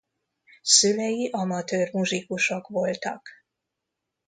Szülei amatőr muzsikusok voltak.